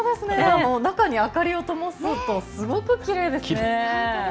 中に明かりをともすとすごくきれいですね。